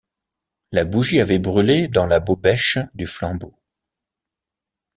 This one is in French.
La bougie avait brûlé dans la bobèche du flambeau.